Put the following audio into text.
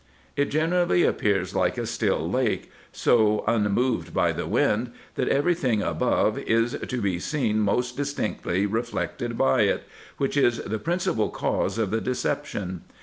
It generally appears like a still lake, so unmoved by the wind, that every thing above is to be seen most distinctly reflected by it, which is the principal cause of the deception.